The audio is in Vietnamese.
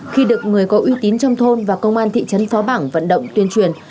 khi được người có uy tín trong thôn và công an thị trấn phó bảng vận động tuyên truyền